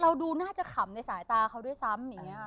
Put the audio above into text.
เราดูน่าจะขำในสายตาเขาด้วยซ้ำ